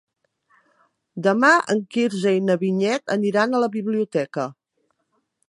Demà en Quirze i na Vinyet aniran a la biblioteca.